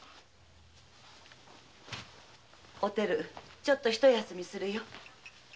おてるちょっとひと休みするよ。